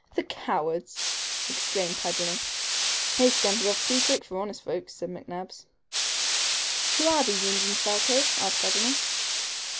"The cowards!" exclaimed Paganel. "They scampered off too quick for honest folks," said McNabbs. "Who are these Indians, Thalcave?" asked Paganel.